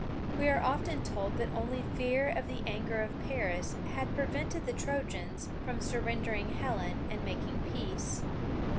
We are often told that only fear of the anger of Paris had prevented the Trojans from surrendering Helen and making peace.